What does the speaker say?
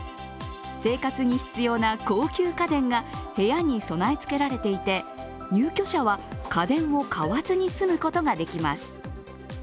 生活に必要な高級家電が部屋に備えつけられていて、入居者は家電を買わずに住むことができます。